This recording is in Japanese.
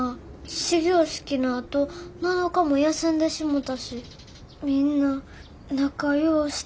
始業式のあと７日も休んでしもたしみんな仲良うしてくれるやろか。